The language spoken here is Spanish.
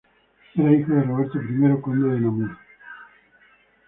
Era hijo de Roberto I, conde de Namur.